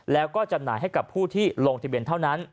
แล้วก็จำหน่ายให้กับผู้ที่ลงทะเบียนเท่านั้น